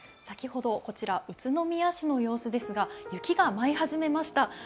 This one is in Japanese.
先ほど、こちら宇都宮市の様子ですが、雪が舞い始めました。